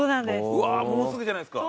うわもうすぐじゃないですか。